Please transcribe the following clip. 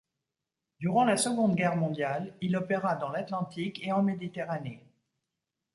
Durant la Seconde Guerre mondiale, il opéra dans l'Atlantique et en Méditerranée.